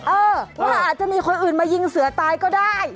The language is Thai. เออว่าอาจจะมีคนอื่นมายิงเสือตายก็ได้